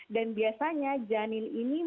dan biasanya janin ini menyebabkan